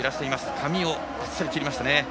髪をばっさり切りましたね。